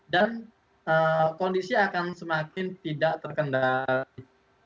dan kondisi akan semakin tidak terkendali